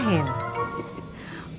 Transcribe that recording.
oh seperti itu